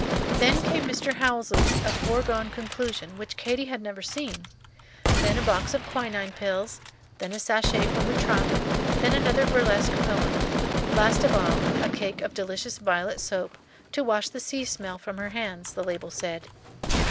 Then came Mr. Howells's "A Foregone Conclusion," which Katy had never seen; then a box of quinine pills; then a sachet for her trunk; then another burlesque poem; last of all, a cake of delicious violet soap, "to wash the sea smell from her hands," the label said.